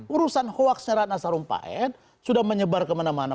urusan khuaksnya ratna sarumpaed sudah menyebar kemana mana